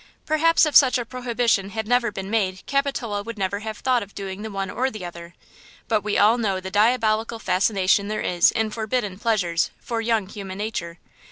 Perhaps if such a prohibition had never been made Capitola would never have thought of doing the one or the other; but we all know the diabolical fascination there is in forbidden pleasures for young human nature.